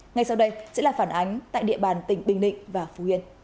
ngay sau đây sẽ là phản ánh tại địa bàn tỉnh bình nịnh